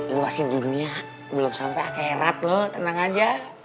lu masih di dunia belum sampai akhirat loh tenang aja